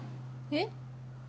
えっ？